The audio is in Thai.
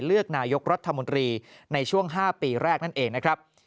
เลือกนายกรัฐมนตรีในช่วง๕ปีแรกนั่นเองนะครับ